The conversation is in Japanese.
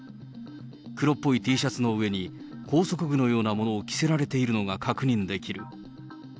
黒っぽいＴシャツの上に、拘束具のようなものを着せられているのが確認できる。